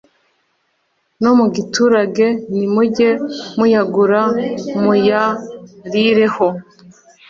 No mu giturage ni mujye muyagura muyarireho